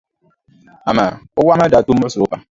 Amaa o wɔɣu maa daa tooi muɣisiri o pam.